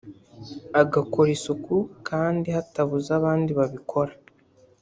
agakora isuku kandi hatabuze abandi babikora